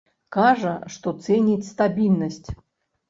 Кажа, што цэніць стабільнасць.